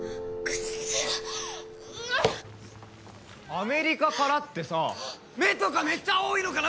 アメリカからってさ目とかめっちゃ青いのかな？